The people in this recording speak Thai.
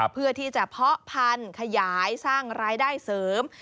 เพื่อที่จะเพาะพันธุ์ขยายสร้างรายได้เสริม